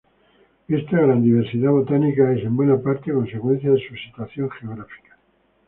Esta gran diversidad botánica es, en buena parte, consecuencia de su situación geográfica.